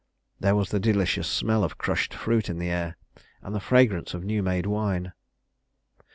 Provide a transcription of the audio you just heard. There was the delicious smell of crushed fruit in the air, and the fragrance of new made wine.